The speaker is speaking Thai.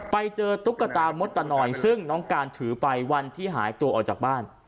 ตุ๊กตามดตะนอยซึ่งน้องการถือไปวันที่หายตัวออกจากบ้าน